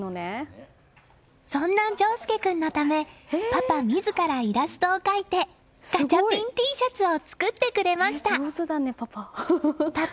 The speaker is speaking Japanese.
そんな丞亮君のためパパ自らイラストを描いてガチャピンＴシャツを作ってくれました。